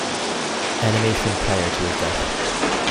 Animation prior to his death.